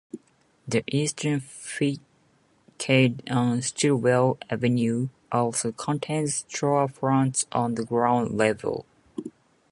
The eastern facade on Stillwell Avenue also contains storefronts on the ground level.